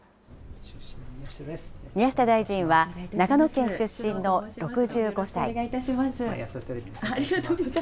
宮下大臣は長野県出身の６５歳。